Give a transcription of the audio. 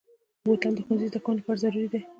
بوتل د ښوونځي زدهکوونکو لپاره ضروري دی.